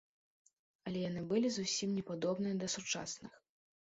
Але яны былі зусім не падобныя да сучасных.